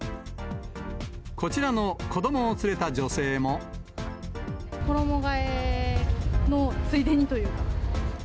こちらの子どもを連れた女性衣がえのついでにというか。